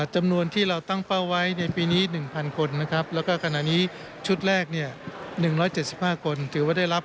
จำนวนที่เราตั้งเป้าไว้ในปีนี้๑๐๐๐คนนะครับ